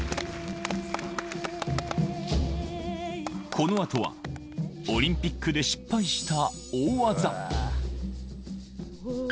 この後はオリンピックで失敗した